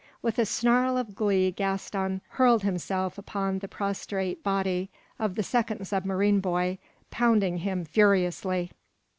With a snarl of glee Gaston burled himself upon the prostrate body of the second submarine boy, pounding him furiously.